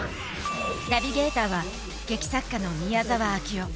ナビゲーターは劇作家の宮沢章夫。